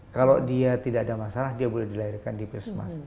kalau dia tidak ada masalah dia boleh dilahirkan di puskesmas